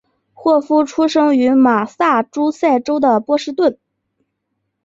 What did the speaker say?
霍夫出生于马萨诸塞州的波士顿。